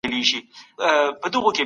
محمدشاه خان د پلان جزییات وپوښتل.